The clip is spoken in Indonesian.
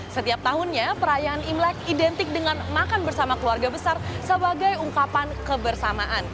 setiap tahunnya perayaan imlek identik dengan makan bersama keluarga besar sebagai ungkapan kebersamaan